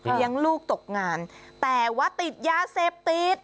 เลี้ยงลูกตกงานแต่ว่าติดยาเสพติด